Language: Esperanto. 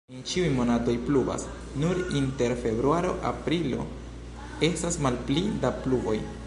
En ĉiuj monatoj pluvas, nur inter februaro-aprilo estas malpli da pluvoj.